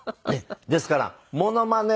ですからモノマネ